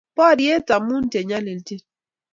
Boryet amun che nyaljin.